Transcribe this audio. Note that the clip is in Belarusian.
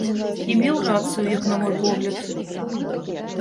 І меў рацыю, як на мой погляд.